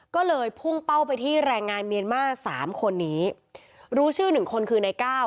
ก็เลยพุ่งเป้าไปที่แรงงานเมียนมาร์สามคนนี้รู้ชื่อหนึ่งคนคือในก้าว